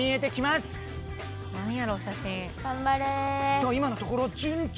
さあ今のところ順調。